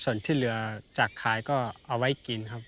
ส่วนที่เหลือจากขายก็เอาไว้กินครับ